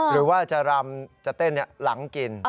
หรือว่าจะรำจะเต้นหลังกิน